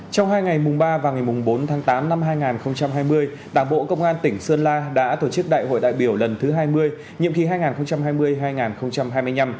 trong hai ngày mùng ba và ngày mùng bốn tháng tám năm hai nghìn hai mươi đảng bộ công an tỉnh sơn la đã tổ chức đại hội đại biểu lần thứ hai mươi nhiệm kỳ hai nghìn hai mươi hai nghìn hai mươi năm